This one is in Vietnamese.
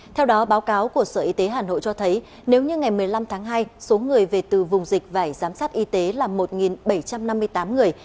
theo đó báo cáo của sở y tế hà nội cho thấy nếu như ngày một mươi năm tháng hai số người về từ vùng dịch phải giám sát y tế là một bảy trăm năm mươi tám người